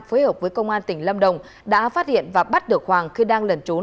phối hợp với công an tỉnh lâm đồng đã phát hiện và bắt được hoàng khi đang lẩn trốn